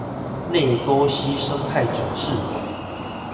內溝溪生態展示館